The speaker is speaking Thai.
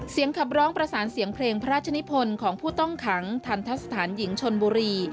ขับร้องประสานเสียงเพลงพระราชนิพลของผู้ต้องขังทันทะสถานหญิงชนบุรี